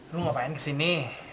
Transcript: lu ngapain kesini